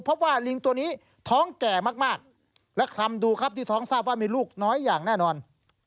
เพราะว่าลิงตัวนี้ท้องแก่มากและคลำดูครับที่ท้องทราบว่ามีลูกน้อยอย่างแน่นอน